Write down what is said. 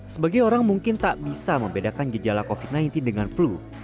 sebagai orang mungkin tak bisa membedakan gejala covid sembilan belas dengan flu